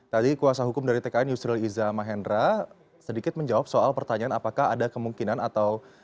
tadi kuasa hukum dari tkn yusril iza mahendra sedikit menjawab soal pertanyaan apakah ada kemungkinan atau